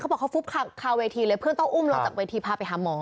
บอกเขาฟุบคาเวทีเลยเพื่อนต้องอุ้มลงจากเวทีพาไปหาหมอ